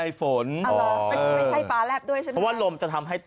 พี่ทำยังไงฮะ